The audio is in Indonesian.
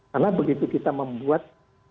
karena begitu kita membuat